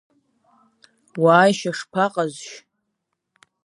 Уааишьа шԥаҟазшь?